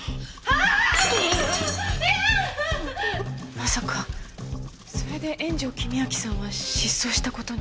まさかそれで円城公昭さんは失踪した事に？